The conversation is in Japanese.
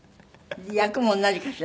役も同じかしら？